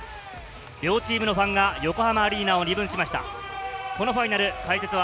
両チームのファンが横浜アリーナを二分しました、このファイナル解説を